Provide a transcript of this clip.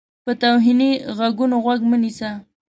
په توهیني غږونو غوږ مه نیسه.